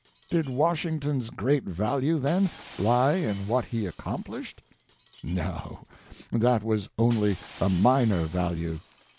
Did Washington's great value, then, lie in what he accom plished? No ; that was only a minor value.